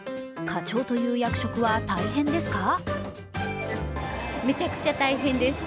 課長という役職は大変ですか？